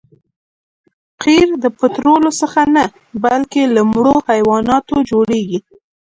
قیر د پطرولو څخه نه بلکې له مړو حیواناتو جوړیږي